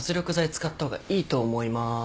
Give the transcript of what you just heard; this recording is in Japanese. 使った方がいいと思います。